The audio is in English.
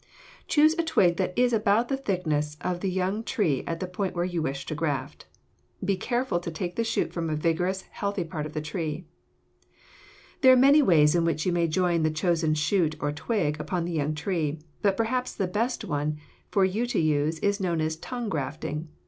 Choose a twig that is about the thickness of the young tree at the point where you wish to graft. Be careful to take the shoot from a vigorous, healthy part of the tree. [Illustration: FIG. 64. TONGUE GRAFTING] There are many ways in which you may join the chosen shoot or twig upon the young tree, but perhaps the best one for you to use is known as tongue grafting.